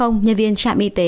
nhân viên trạm y tế